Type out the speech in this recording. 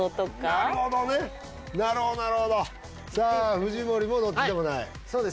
なるほどねっなるほどなるほどさあ藤森もどっちでもないそうです